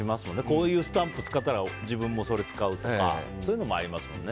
こういうスタンプ使われたら自分もそれ使うとかそういうのもありますもんね。